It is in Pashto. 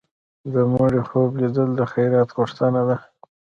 د مړي خوب لیدل د خیرات غوښتنه ده.